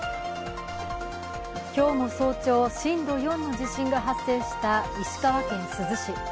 今日も早朝、震度４の地震が発生した石川県珠洲市。